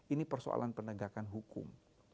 ini persoalan penegakan hukum